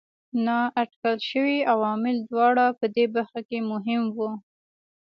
نااټکل شوي عوامل دواړه په دې برخه کې مهم وو.